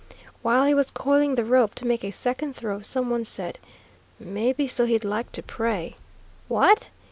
While he was coiling the rope to make a second throw, some one said, "Mebby so he'd like to pray." "What!